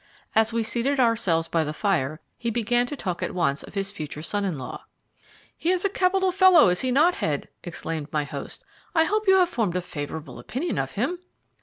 As we seated ourselves by the fire, he began to talk at once of his future son in law. "He is a capital fellow, is he not, Head?" exclaimed my host. "I hope you have formed a favourable opinion of him?"